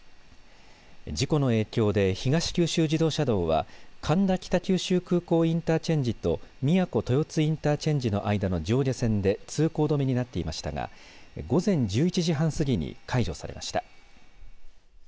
事故の影響で東九州自動車道は苅田北九州空港インターチェンジとみやこ豊津インターチェンジの間の上下線で通行止めになっていましたが午前１１時半過ぎに解除されました。